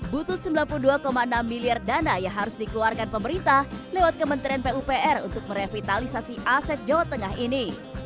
butuh sembilan puluh dua enam miliar dana yang harus dikeluarkan pemerintah lewat kementerian pupr untuk merevitalisasi aset jawa tengah ini